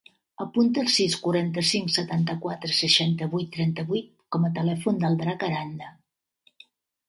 Apunta el sis, quaranta-cinc, setanta-quatre, seixanta-vuit, trenta-vuit com a telèfon del Drac Aranda.